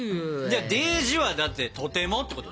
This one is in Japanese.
でーじはだって「とても」ってことでしょ？